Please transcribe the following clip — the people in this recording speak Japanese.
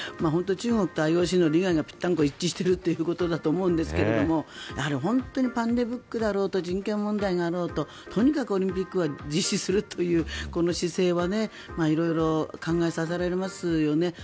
本当に中国とＩＯＣの利害が一致しているということだと思いますが本当にパンデミックだろうと人権問題になろうととにかくオリンピックは実施するというこの姿勢は色々考えさせられますよね。